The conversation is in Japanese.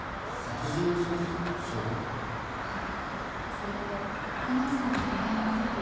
はいそれで狛木さんのアリバイについて。